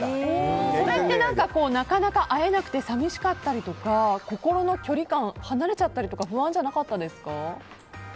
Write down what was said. それってなかなか会えなくて寂しかったりとか心の距離感、離れちゃったりとか不安じゃなかったですか？